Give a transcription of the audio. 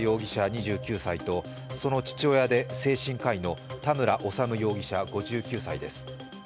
２９歳とその父親で精神科医の田村修容疑者、５９歳です。